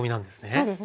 そうですね。